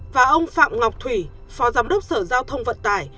và ông phạm ngọc thủy phó giám đốc sở giao thông vận tải